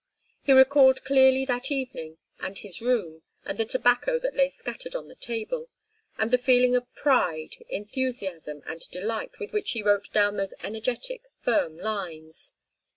He recalled clearly that evening, and his room, and the tobacco that lay scattered on the table, and the feeling of pride, enthusiasm, and delight with which he wrote down those energetic, firm lines.